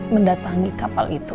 mendatangi kapal itu